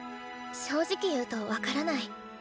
正直言うと分からない。